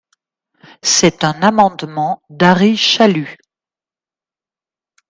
C’est un amendement d’Ary Chalus.